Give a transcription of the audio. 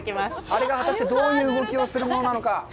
あれが果たしてどういう動きをするものなのか。